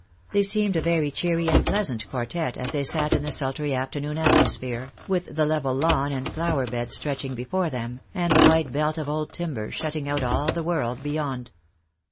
They seemed a very cheery and pleasant quartette as they sat in the sultry afternoon atmosphere, with the level lawn and flower beds stretching before them, and the wide belt of old timber shutting out all the world be yond.